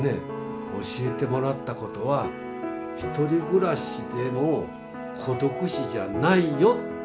教えてもらったことはひとり暮らしでも孤独死じゃないよ。